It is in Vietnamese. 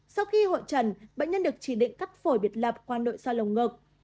sau khi hội trần bệnh nhân được chỉ định cắt phổi biệt lập qua nội soi lồng ngực